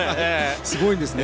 すごいんですね。